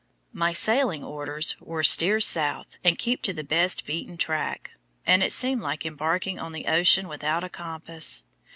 My sailing orders were "steer south, and keep to the best beaten track," and it seemed like embarking on the ocean without a compass.